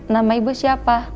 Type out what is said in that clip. nama ibu siapa